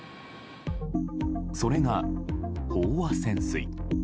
それが、飽和潜水。